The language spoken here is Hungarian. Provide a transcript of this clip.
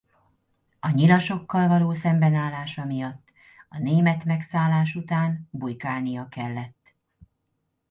A nyilasokkal való szembenállása miatt a német megszállás után bujkálnia kellett.